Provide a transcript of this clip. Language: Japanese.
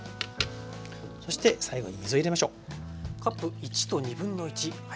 そして最後に水を入れましょう。